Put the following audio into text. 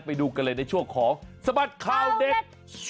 ไปดูกันเลยในช่วงของสบัดข่าวเด็ก